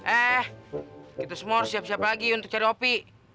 eh kita semua harus siap siap lagi untuk cari kopi